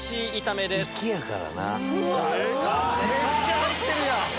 めっちゃ入ってるやん！